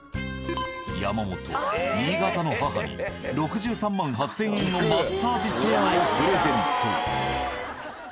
山本新潟の母に６３万８，０００円のマッサージチェアをプレゼント。